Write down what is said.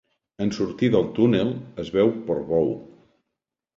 En sortir del túnel, es veu Portbou.